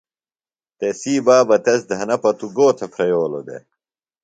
تسی بابہ تس دھنہ پتُوۡ گو تھےۡ پھرئِلوۡ دےۡ؟